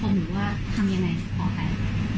พหนีว่าทำยังไงออกไป